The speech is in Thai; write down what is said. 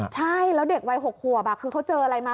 ใช่แล้วเด็กวัย๖ขวบคือเขาเจออะไรมา